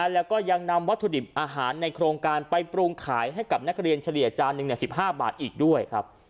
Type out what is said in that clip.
แล้วก็ยังนำวัตถุดิบอาหารในโครงการไปปรุงขายให้กับนักเรียนเฉลี่ยจานหนึ่ง๑๕บาทอีกด้วยครับ